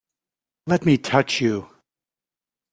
Let me touch you!